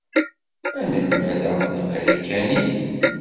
Anelmad-a d Amarikani.